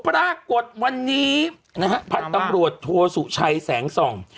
อุปรากฏวันนี้นะฮะผัดตำรวจโทวสุไชยแสลงส่อง